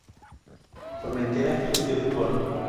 Formentera Club de Fútbol.